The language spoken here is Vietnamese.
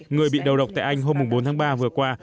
người bị đầu độc tại anh hôm bốn tháng ba vừa qua